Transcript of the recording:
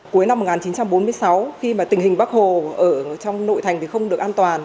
cuối năm một nghìn chín trăm bốn mươi sáu khi mà tình hình bắc hồ ở trong nội thành thì không được an toàn